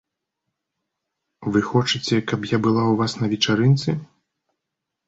Вы хочаце, каб я была ў вас на вечарынцы?